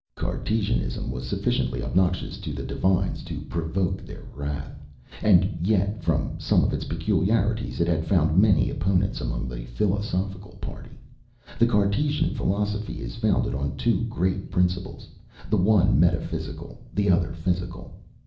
Cartesianism was sufficiently obnoxious to the divines to provoke their wrath; and yet, from some of its peculiarities, it has found many opponents amongst the philosophical party. The Cartesian philosophy is founded on two great principles, the one metaphysical, the other physical.